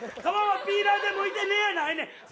皮はピーラーでむいてねやないねん。